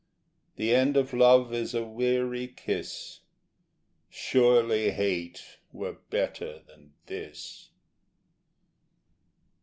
The end of love is a weary kiss Surely hate were better than this!